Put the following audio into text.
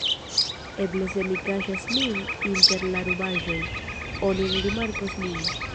"Eble se mi kaŝas min inter la rubaĵoj, oni ne rimarkos min."